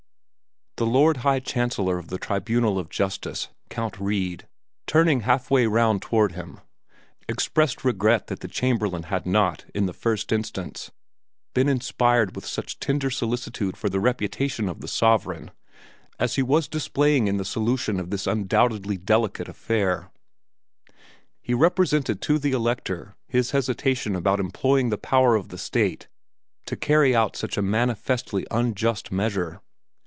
The Lord High Chancellor of the Tribunal of Justice, Count Wrede, turning half way round toward him, expressed regret that the Chamberlain had not, in the first instance, been inspired with such tender solicitude for the reputation of the sovereign as he was displaying in the solution of this undoubtedly delicate affair. He represented to the Elector his hesitation about employing the power of the state to carry out a manifestly unjust measure.